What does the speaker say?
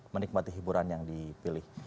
menikmati hiburan yang dipilih